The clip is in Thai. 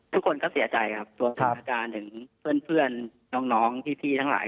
ทุกคนก็เสียใจครับตัวสถานการณ์ถึงเพื่อนน้องพี่ทั้งหลาย